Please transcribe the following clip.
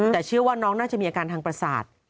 แต่เชื่อว่าน้องน่าจะมีอาการทางประสาท